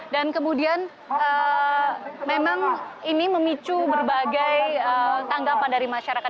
dan kemudian memang ini memicu berbagai tanggapan dari masyarakat